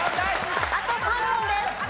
あと３問です。